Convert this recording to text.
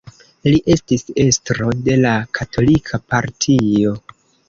Li estis estro de la Katolika Partio.